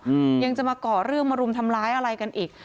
อืมยังจะมาก่อเรื่องมารุมทำร้ายอะไรกันอีก